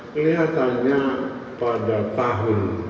kelihatannya pada tahun